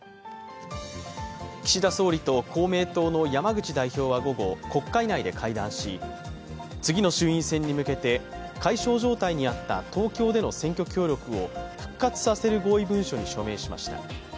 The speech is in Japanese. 岸田総理と公明党の山口代表は午後、国会内で会談し次の衆院選に向けて解消状態にあった東京での選挙協力を復活させる合意文書に署名しました。